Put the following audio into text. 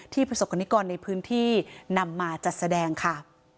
ประสบกรณิกรในพื้นที่นำมาจัดแสดงค่ะ